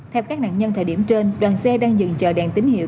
theo các nạn nhân thời điểm trên đoàn xe đang dừng chờ đèn tín hiệu